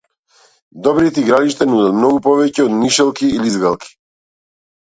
Добрите игралишта нудат многу повеќе од нишалки и лизгалки.